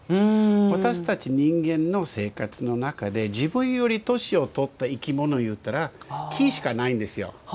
私たち人間の生活の中で自分より年をとった生き物といったら木しかないんですよ。